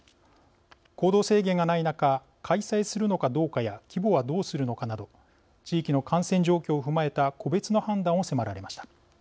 行動制限がない中開催するのかどうかや規模はどうするのかなど地域の感染状況を踏まえた個別の判断を迫られました。